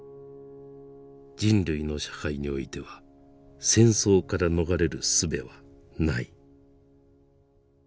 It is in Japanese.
「人類の社会に於ては戦争から逃れる術はない」。